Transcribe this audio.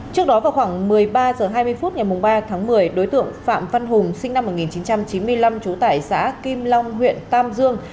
trước đó vào khoảng một mươi ba h hai mươi phút ngày ba tháng một mươi đối tượng phạm văn hùng sinh năm một nghìn chín trăm chín mươi năm trú tại xã kim long huyện tam dương